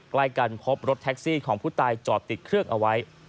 ใกล้กันพบรถแท็กซี่ของผู้ตายจอดติดเครื่องเอาไว้